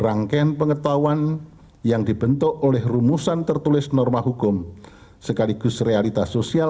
rangkaian pengetahuan yang dibentuk oleh rumusan tertulis norma hukum sekaligus realitas sosial